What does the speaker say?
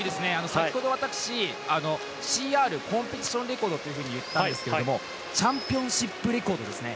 先程、私ＣＲコンペティションレコードといいましたがチャンピオンシップレコードですね。